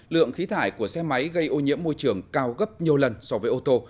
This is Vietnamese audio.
lượng khí thải của xe máy gây ô nhiễm môi trường cao gấp nhiều lần so với ô tô